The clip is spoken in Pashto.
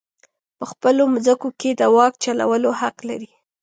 په خپلو مځکو کې د واک چلولو حق لري.